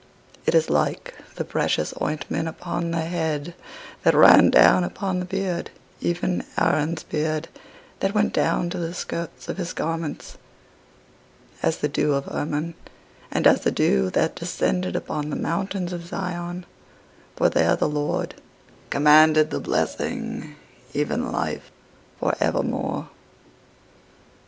19:133:002 It is like the precious ointment upon the head, that ran down upon the beard, even Aaron's beard: that went down to the skirts of his garments; 19:133:003 As the dew of Hermon, and as the dew that descended upon the mountains of Zion: for there the LORD commanded the blessing, even life for evermore.